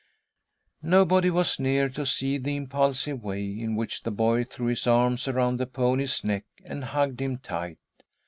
Nobody was near to see the impulsive way in which the boy threw his arms around the pony's neck and hugged him tight.